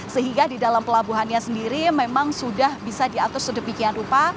sehingga di dalam pelabuhannya sendiri memang sudah bisa diatur sedemikian rupa